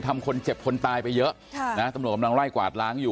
ทำคนเจ็บคนตายไปเยอะค่ะนะตำรวจกำลังไล่กวาดล้างอยู่